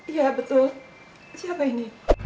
iya betul siapa ini